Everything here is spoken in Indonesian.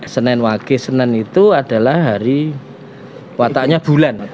senin wage senin itu adalah hari wataknya bulan